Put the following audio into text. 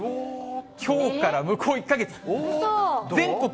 きょうから向こう１か月。